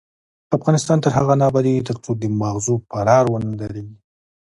افغانستان تر هغو نه ابادیږي، ترڅو د ماغزو فرار ونه دریږي.